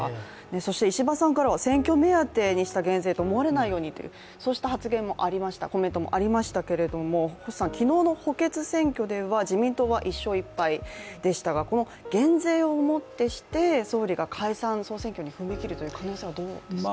そして石破さんからは選挙目当てにした減税に思われないようにとそうした発言、コメントもありましたけれども昨日の補欠選挙では自民党は１勝１敗でしたが、この減税をもってして総理が解散総選挙に踏み切る可能性はどうでしょう？